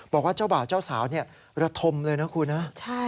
บอกว่าเจ้าบ่าวเจ้าสาวระทมเลยนะคุณนะ